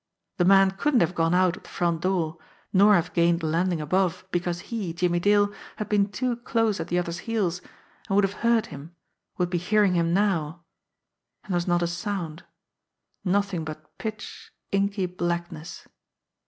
The man couldn't have gone out of the front door, nor have gained the landing above, because he, Jimmie Dale, had been too close at the other's heels, and would have heard him, would be hearing him now. And there was not a sound nothing but pitch, inky blackness.